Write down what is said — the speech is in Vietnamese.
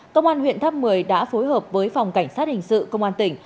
công an huyện tháp một mươi đã phối hợp với phòng cảnh sát hình sự công an tỉnh